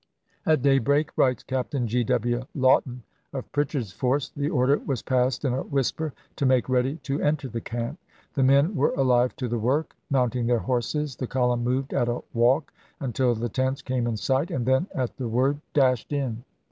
" At daybreak," writes Captain G . W. Lawton of Pritchard's force, " the order was passed in a whis per to make ready to enter the camp. The men were alive to the work. Mounting their horses, the column moved at a walk until the tents came in sight, and then, at the word, dashed in.